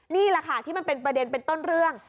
นี่แหละค่ะที่มันเป็นประเด็นเป็นต้นเรื่อง